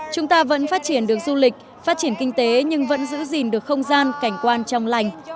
chúng ta vẫn phát triển được du lịch phát triển kinh tế nhưng vẫn giữ gìn được không gian cảnh quan trong lành